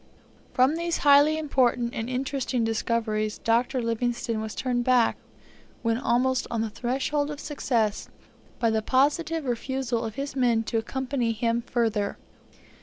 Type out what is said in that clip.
From these highly important and interesting discoveries, Dr. Livingstone was turned back, when almost on the threshold of success, by the positive refusal of his men to accompany him further.